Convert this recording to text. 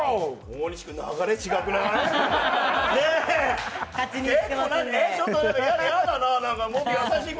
大西君、流れ違くなーい？